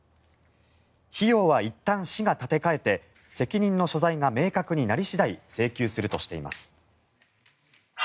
費用はいったん市が立て替えて責任の所在が明確になり次第請求するとしています。